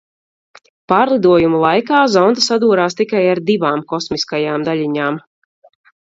Pārlidojuma laikā zonde sadūrās tikai ar divām kosmiskajām daļiņām.